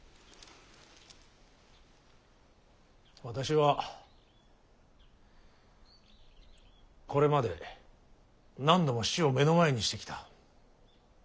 私はこれまで何度も死を目の前にしてきた。